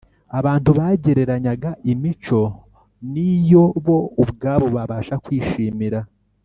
. Abantu bagereranyaga imico n’iyo bo ubwabo babasha kwishimira.